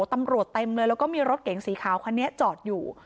เต็มเลยแล้วก็มีรถเก๋งสีขาวคันนี้จอดอยู่